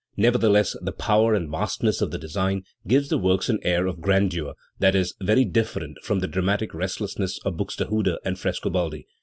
Nevertheless the power and vastness of the design give the works an air of grandeur that is very different from the dramatic rest lessness of Buxtehude and Frescobaldi.